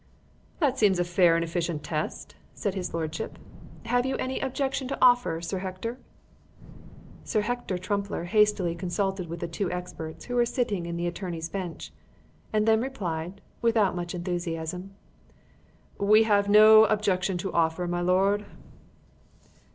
"That seems a fair and efficient test," said his lordship. "Have you any objection to offer, Sir Hector?" Sir Hector Trumpler hastily consulted with the two experts, who were sitting in the attorney's bench, and then replied, without much enthusiasm "We have no objection to offer, my lord."